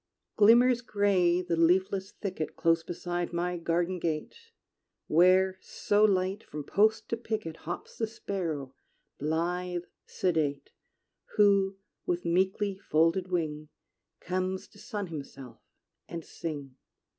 Glimmers gray the leafless thicket Close beside my garden gate, Where, so light, from post to picket Hops the sparrow, blithe, sedate; Who, with meekly folded wing, Comes to sun himself and sing.